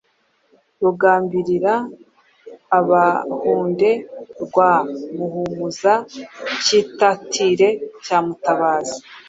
Rugambirira abahunde Rwa Muhumuza Cyitatire cya Mutabazi